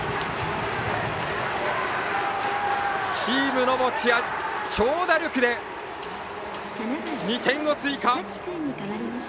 チームの持ち味、長打力で２点を追加！